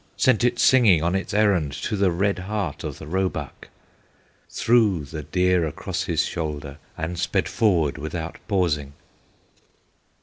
Sent it singing on its errand, To the red heart of the roebuck; Threw the deer across his shoulder, And sped forward without pausing.